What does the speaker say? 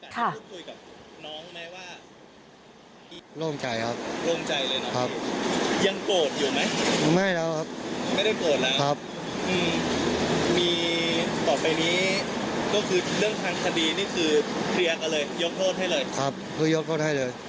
แล้วเป็นไหนบอลบวชเพื่อล้างสวยหรืออะไรอย่างนี้